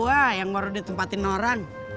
saya yang harus ditempatkan orang